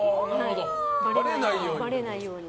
ばれないように。